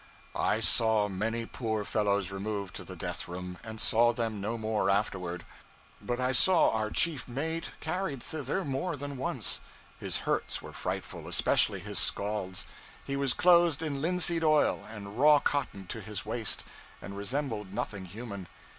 I saw many poor fellows removed to the 'death room,' and saw them no more afterward. But I saw our chief mate carried thither more than once. His hurts were frightful, especially his scalds. He was clothed in linseed oil and raw cotton to his waist, and resembled nothing human.